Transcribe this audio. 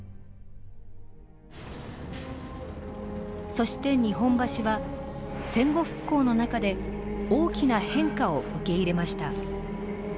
そして日本橋は戦後復興の中で大きな変化を受け入れました。